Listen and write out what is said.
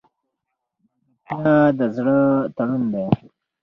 ملګرتیا د زړه تړون دی.